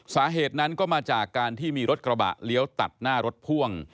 สาเหตุนั้นก็มาจากการที่มีรถกระบะเลี้ยวตัดหน้ารถพ่วง